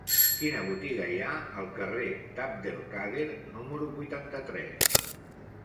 Quina botiga hi ha al carrer d'Abd el-Kader número vuitanta-tres?